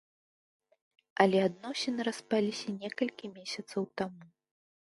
Але адносіны распаліся некалькі месяцаў таму.